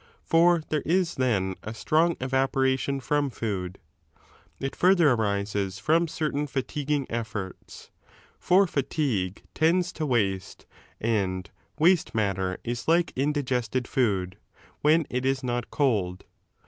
For there is then a strong evaporation from food. It further arises from 22G ARISTOTLE S PSYCHOLOGY de homso certain fatiguing efforts. For fatigue tends to waste, and 57 fl waste matter is like indigested food, when it is not cold.